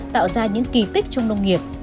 tạo ra những kỳ tích trong nông nghiệp